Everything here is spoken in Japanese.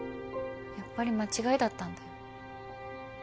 やっぱり間違いだったんだよ